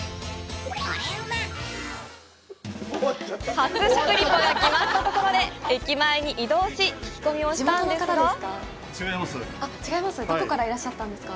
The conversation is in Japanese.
初食リポが決まったところで駅前に移動し、聞き込みをしたんですが地元の方ですか？